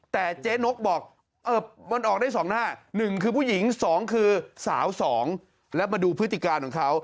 แต่เจ๊นกบอกมันออกได้๒หน้า๑คือผู้หญิง๒คือสาว๒แล้วมาดูพฤติการของเขา